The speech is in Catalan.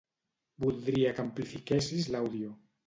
Voldria que amplifiquessis l'àudio.